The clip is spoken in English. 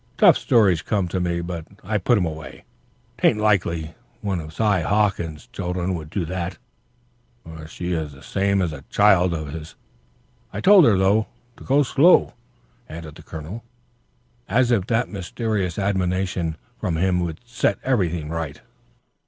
Tough stories come to me, but I put'em away. 'Taint likely one of Si Hawkins's children would do that for she is the same as a child of his. I told her, though, to go slow," added the Colonel, as if that mysterious admonition from him would set everything right.